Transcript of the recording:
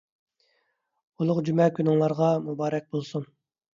ئۇلۇغ جۈمە كۈنۈڭلارغا مۇبارەك بولسۇن!